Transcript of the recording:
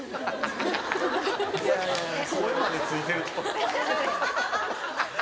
声までついてるとは。